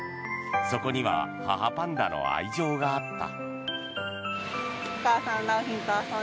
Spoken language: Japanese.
そこには母パンダの愛情があった。